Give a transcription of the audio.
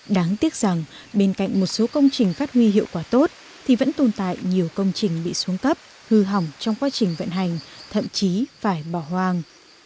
đáng tiếc rằng bên cạnh một số công trình phát huy hiệu quả tốt thì vẫn tồn tại nhiều công trình bị xuống cấp hư hỏng trong quá trình vận hành thậm chí phải bỏ hoang